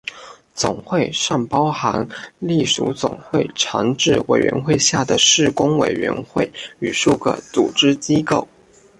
总会尚包含隶属总会常置委员会下的事工委员会与数个组织机构。